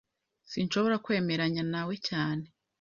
Sinshobora kwemeranya nawe cyane.